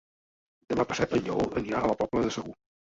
Demà passat en Lleó anirà a la Pobla de Segur.